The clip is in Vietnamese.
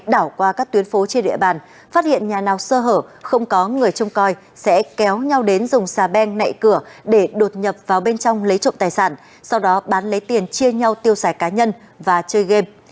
đảo qua các tuyến phố trên địa bàn phát hiện nhà nào sơ hở không có người trông coi sẽ kéo nhau đến dùng xà beng nạy cửa để đột nhập vào bên trong lấy trộm tài sản sau đó bán lấy tiền chia nhau tiêu xài cá nhân và chơi game